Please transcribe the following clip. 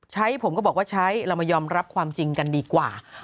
ผมก็บอกว่าใช้เรามายอมรับความจริงกันดีกว่า